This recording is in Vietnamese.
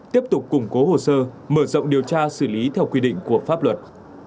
tiếp tục củng cố hồ sơ mở rộng điều tra xử lý theo quy định của pháp luật